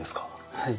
はい。